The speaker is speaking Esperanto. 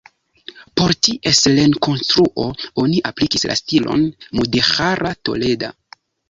Por ties rekonstruo oni aplikis la stilon mudeĥara toleda.